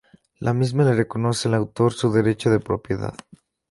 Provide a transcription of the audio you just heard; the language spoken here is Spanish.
La misma le reconoce al autor su derecho de propiedad.